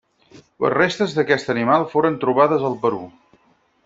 Les restes d'aquest animal foren trobades al Perú.